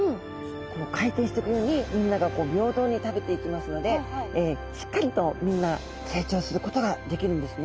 回転していくようにみんなが平等に食べていきますのでしっかりとみんな成長することができるんですね。